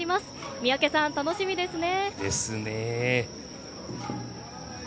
三宅さん、楽しみですね。